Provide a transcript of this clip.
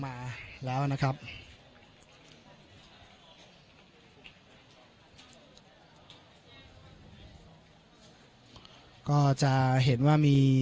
ไม่เป็นไรไม่เป็นไร